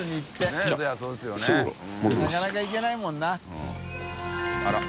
なかなか行けないもんな。